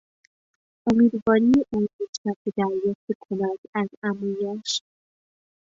امیدواری او نسبت به دریافت کمک از عمویش